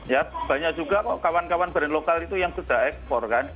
ya banyak juga kok kawan kawan brand lokal itu yang sudah ekspor kan